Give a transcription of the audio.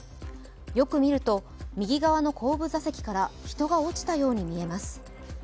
よく見ると、右側の後部座席から人が落ちたように見えます。